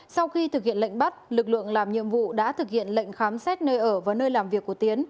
sau khi thực hiện lệnh bắt lực lượng làm nhiệm vụ đã thực hiện lệnh khám xét nơi ở và nơi làm việc của tiến